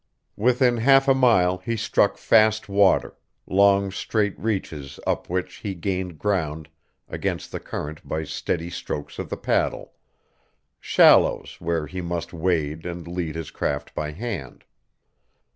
Within half a mile he struck fast water, long straight reaches up which he gained ground against the current by steady strokes of the paddle, shallows where he must wade and lead his craft by hand.